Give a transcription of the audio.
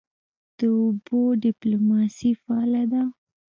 د اوبو ډیپلوماسي فعاله ده؟